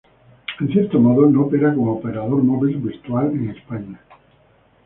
En cierto modo no opera como operador móvil virtual en España.